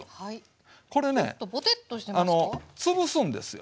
これね潰すんですよ。